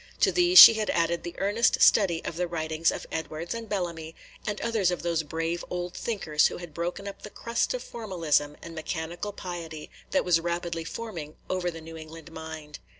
To these she had added the earnest study of the writings of Edwards and Bellamy, and others of those brave old thinkers who had broken up the crust of formalism and mechanical piety that was rapidly forming over the New England mind.